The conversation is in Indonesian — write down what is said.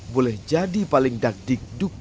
boleh jadi paling dakdikduk